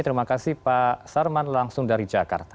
terima kasih pak sarman langsung dari jakarta